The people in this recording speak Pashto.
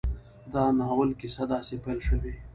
د ناول کيسه داسې پيل شوې